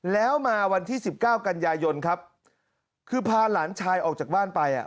แล้วมาวันที่๑๙กันยายนครับคือพาหลานชายออกจากบ้านไปอ่ะ